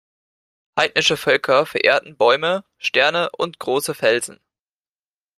Heidnische Völker verehrten Bäume, Sterne und große Felsen.